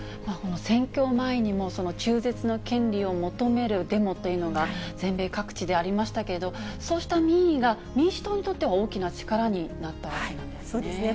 選挙前にも、中絶の権利を求めるデモというのが全米各地でありましたけど、そうした民意が、民主党にとっては大きな力になったわけなんですね。